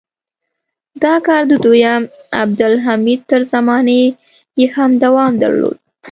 دا کار د دویم عبدالحمید تر زمانې یې هم دوام درلود.